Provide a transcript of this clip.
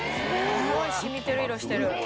すごい染みてる色してる。